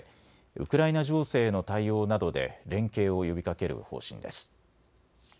ウクライナ情勢への対応などで連携を呼びかける方針です。